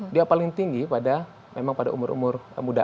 dia paling tinggi pada memang pada umur umur muda